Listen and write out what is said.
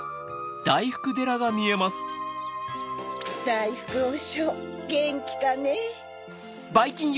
だいふくおしょうゲンキかねぇ。